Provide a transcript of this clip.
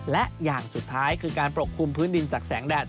และอย่างสุดท้ายคือการปกคลุมพื้นดินจากแสงแดด